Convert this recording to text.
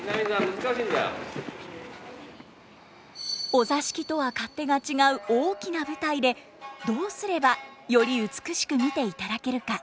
お座敷とは勝手が違う大きな舞台でどうすればより美しく見ていただけるか。